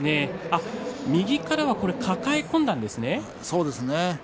右から抱え込んだんですね。